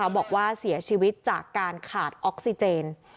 บอกว่าเสียชีวิตจากการขาดออกซิเจน